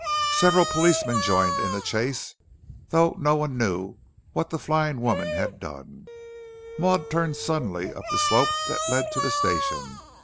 Several policemen joined in the chase, though no one knew what the flying woman had done. Maud turned suddenly up the slope that led to the station.